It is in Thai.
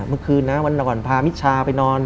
เมื่อคืนนะวันก่อนพามิชชาไปนอน